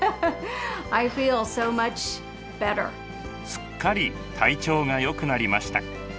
すっかり体調がよくなりました。